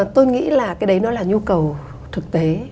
tôi nghĩ là cái đấy nó là nhu cầu thực tế